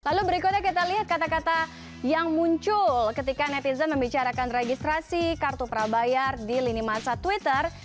lalu berikutnya kita lihat kata kata yang muncul ketika netizen membicarakan registrasi kartu prabayar di lini masa twitter